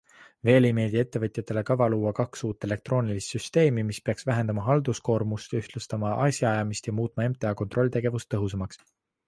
Veel ei meeldi ettevõtjatele kava luua kaks uut elektroonilist süsteemi, mis peaks vähendama halduskoormust, ühtlustama asjaajamist ja muutma MTA kontrolltegevust tõhusamaks.